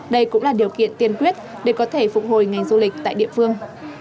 đây cũng là điều kiện tiên quyết để có thể phục hồi ngành du lịch tại địa phương